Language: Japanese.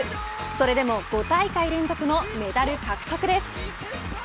それでも５大会連続のメダル獲得です。